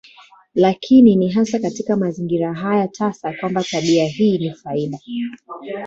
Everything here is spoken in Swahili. Lakini ni hasa katika mazingira haya tasa kwamba tabia hii ni faida.